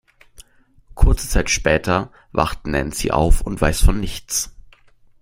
Kurze Zeit später wacht Nancy auf und weiß von nichts.